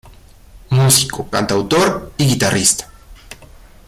Músico, cantautor y guitarrista.